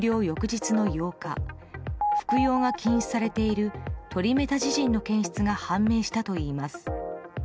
翌日の８日服用が禁止されているトリメタジジンの検出が判明したといいます。